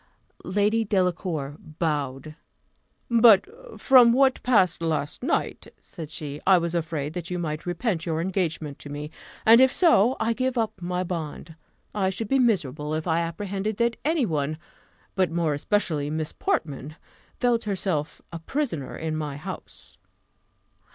Lady Delacour bowed. "But from what passed last night," said she, "I was afraid that you might repent your engagement to me: and if so, I give up my bond. I should be miserable if I apprehended that any one, but more especially Miss Portman, felt herself a prisoner in my house."